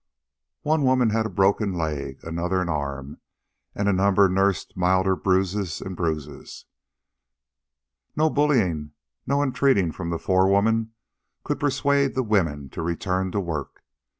One woman had broken a leg, another an arm, and a number nursed milder bruises and bruises. No bullying nor entreating of the forewoman could persuade the women to return to work.